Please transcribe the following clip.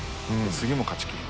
次も勝ちきる。